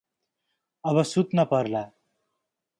अब सुत्न पर्ला ।